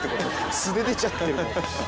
素で出ちゃってるもん。